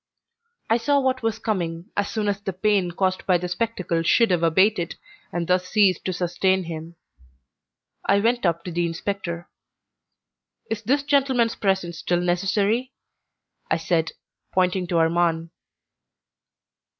I saw what was coming as soon as the pain caused by the spectacle should have abated and thus ceased to sustain him. I went up to the inspector. "Is this gentleman's presence still necessary?" I said, pointing to Armand.